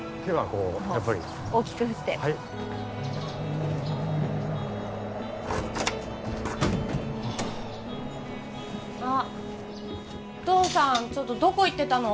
こうやっぱり大きく振ってあっお父さんちょっとどこ行ってたの？